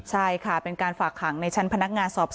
ใช่ค่ะเป็นการฝากขังในชั้นพนักงานสอบสวน